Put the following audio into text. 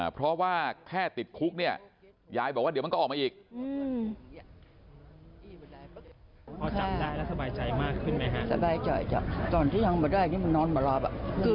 เพราะว่าแค่ติดคุกเนี่ยยายบอกว่าเดี๋ยวมันก็ออกมาอีก